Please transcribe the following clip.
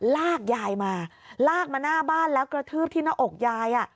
ลากยายมาลากมาหน้าบ้านแล้วกระทืบที่หน้าอกยาย